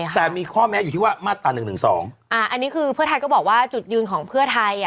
แต่มีข้อแม้อยู่ที่ว่ามาตรา๑๑๒อันนี้คือเพื่อไทยก็บอกว่าจุดยืนของเพื่อไทย